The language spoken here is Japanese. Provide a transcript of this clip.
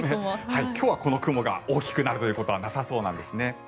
今日はこの雲が大きくなることはなさそうなんですね。